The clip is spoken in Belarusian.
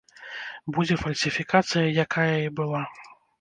Будзе фальсіфікацыя, якая і была.